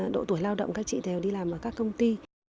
độ tuổi lao động các chị đều đi làm ở các công ty